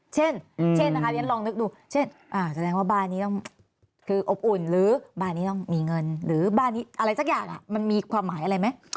เช่นนะคะเรียนลองนึกดูเช่นแสดงว่าบ้านนี้ต้องคืออบอุ่นหรือบ้านนี้ต้องมีเงินหรือบ้านนี้อะไรสักอย่างมันมีความหมายอะไรไหม